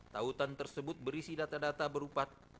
tautan tersebut berisi data data berupa